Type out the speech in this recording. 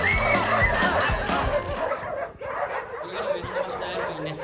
これからもいろんな場所で会えるといいね！